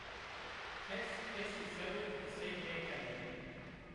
Kes kesî ser o qisey nêkeno